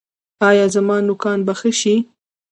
ایا زما نوکان به ښه شي؟